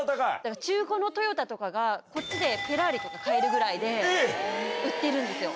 中古のトヨタとかが、こっちでフェラーリとか買えるぐらいで売ってるんですよ。